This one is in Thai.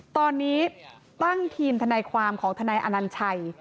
ตอนนี้ตั้งทีมทนายความของทนายอนัญชัย